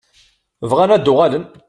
Bɣan ad uɣalen.